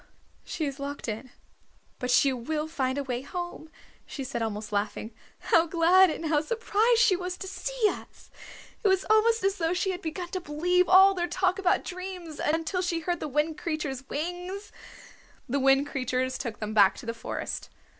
"She is locked in, but she will find a way home," she said, almost laughing. "How glad and how surprised she was to see us! It was almost as though she had begun to believe all their talk about dreams, until she heard the Wind Creatures' wings!" The Wind Creatures took them back to the forest.